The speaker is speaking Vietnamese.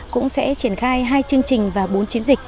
cũng sẽ triển khai hai chương trình và bốn chiến dịch